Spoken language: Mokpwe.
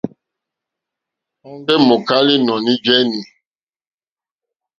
Òŋɡó mòkálá ínɔ̀ní jéní.